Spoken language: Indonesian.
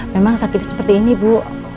memang sakit seperti ini bu